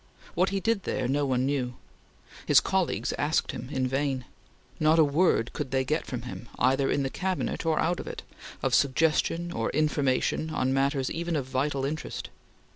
What he did there, no one knew. His colleagues asked him in vain. Not a word could they get from him, either in the Cabinet or out of it, of suggestion or information on matters even of vital interest.